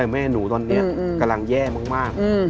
แม่หนูตอนนี้กำลังแย่มาก